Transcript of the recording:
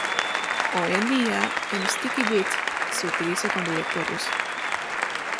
Hoy en día, el sticky bit se utiliza con directorios.